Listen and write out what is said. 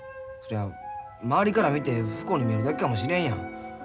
それは周りから見て不幸に見えるだけかもしれんやん。